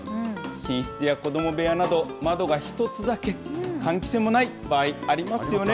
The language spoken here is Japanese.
寝室や子ども部屋など、窓が１つだけ、換気扇もない場合、ありますよね。